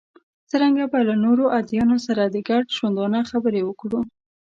څرنګه به له نورو ادیانو سره د ګډ ژوندانه خبرې وکړو.